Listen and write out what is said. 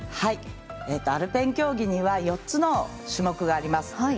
アルペン競技には４つの種目があります。